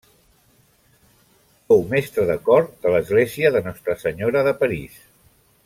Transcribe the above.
Fou mestre de cor de l'església de Nostra Senyora de París.